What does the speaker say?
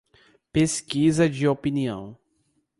Pesquisa de opinião